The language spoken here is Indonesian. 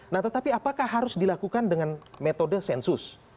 nah tetapi apakah harus dilakukan dengan metode sensus